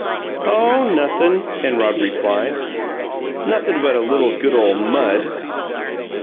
"Oh, nothin'," Penrod replied. "Nothin' but a little good ole mud."